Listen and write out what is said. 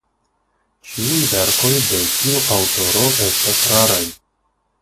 Ĉiuj verkoj de tiu aŭtoro estas raraj.